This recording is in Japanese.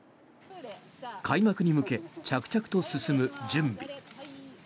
開幕に向け、着々と進む準備。